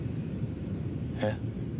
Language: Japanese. えっ？